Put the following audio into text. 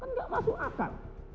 kan nggak masuk akal